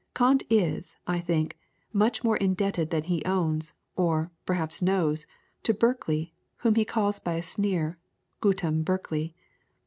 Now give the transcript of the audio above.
... Kant is, I think, much more indebted than he owns, or, perhaps knows, to Berkeley, whom he calls by a sneer, 'GUTEM Berkeley'.